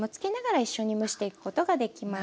一緒に蒸していくことができます。